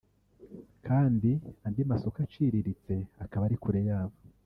kandi andi masoko aciriritse akaba ari kure yabo